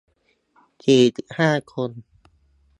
สี่สิบห้า คน